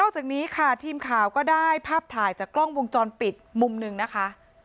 จากนี้ค่ะทีมข่าวก็ได้ภาพถ่ายจากกล้องวงจรปิดมุมหนึ่งนะคะ